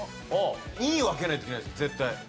２位を開けないといけないんです絶対。